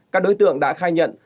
các đối tượng đã khai nhận